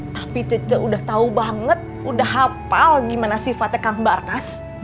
tapi udah tau banget udah hafal gimana sifatnya kang barnas